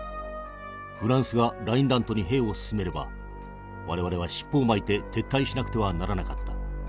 フランスがラインラントに兵を進めれば我々は尻尾を巻いて撤退しなくてはならなかった。